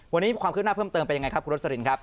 วันนี้ความคืบหน้าเพิ่มเติมเป็นยังไงครับคุณรสลินครับ